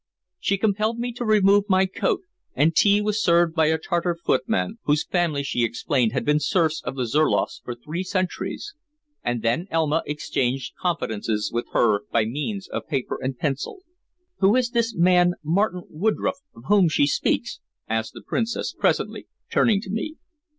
She compelled me to remove my coat, and tea was served by a Tartar footman, whose family she explained had been serfs of the Zurloffs for three centuries, and then Elma exchanged confidences with her by means of paper and pencil. "Who is this man Martin Woodroffe, of whom she speaks?" asked the Princess presently, turning to me.